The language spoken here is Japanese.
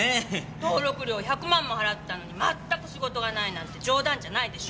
登録料１００万も払ったのにまったく仕事がないなんて冗談じゃないでしょ。